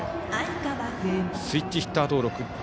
スイッチヒッター登録。